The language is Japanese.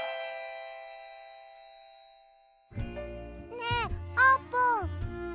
ねえあーぷん